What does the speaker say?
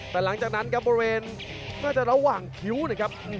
แต่หลังจากนั้นครับบริเวณน่าจะระหว่างคิ้วนะครับ